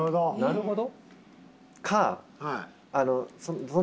なるほど！